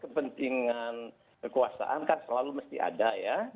kepentingan kekuasaan kan selalu mesti ada ya